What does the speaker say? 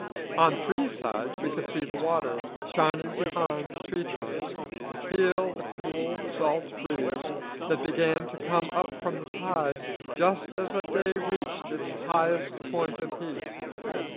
On three sides we could see the water, shining behind the tree trunks, and feel the cool salt breeze that began to come up with the tide just as the day reached its highest point of heat.